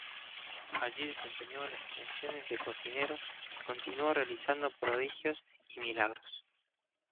Allí desempeñó las funciones de cocinero y continuó realizando prodigios y milagros.